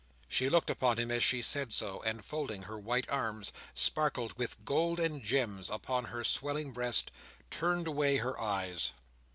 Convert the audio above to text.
She looked upon him as she said so, and folding her white arms, sparkling with gold and gems, upon her swelling breast, turned away her eyes.